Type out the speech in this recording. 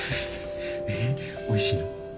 えっおいしいの？